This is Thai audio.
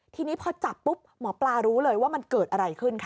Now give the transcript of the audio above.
ทีนี้พอจับปุ๊บหมอปลารู้เลยว่ามันเกิดอะไรขึ้นคะ